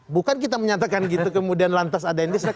bukan kita menyatakan gitu kemudian lantas ada dislike